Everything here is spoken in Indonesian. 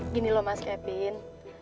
gini loh mas kevin